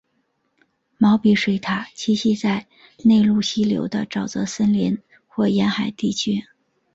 毛鼻水獭栖息在内陆溪流的沼泽森林或沿海地区。